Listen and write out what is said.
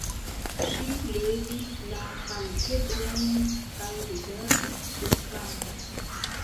Ŝi levis la palpebrojn kaj rigardis ĉirkaŭen.